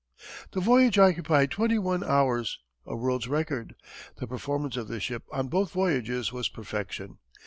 The voyage occupied twenty one hours a world's record. The performance of the ship on both voyages was perfection.